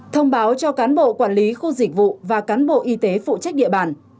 thông báo cho cán bộ quản lý khu dịch vụ và cán bộ y tế phụ trách địa bàn